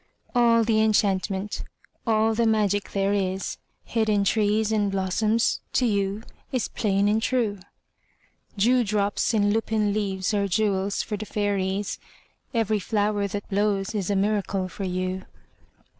All the enchantment, all the magic there is Hid in trees and blossoms, to you is plain and true. Dewdrops in lupin leaves are jewels for the fairies; Every flower that blows is a miracle for you.